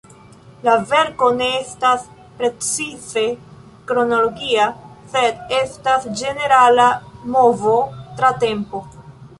La verko ne estas precize kronologia, sed estas ĝenerala movo tra tempo.